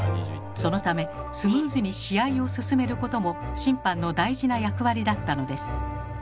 そのためスムーズに試合を進めることも審判の大事な役割だったのです。